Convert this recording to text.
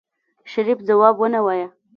شريف ځواب ونه وايه.